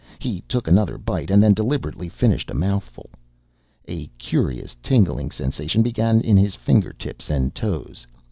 He took another bite, and then deliberately finished a mouthful. A curious, tingling sensation began in his finger tips and toes.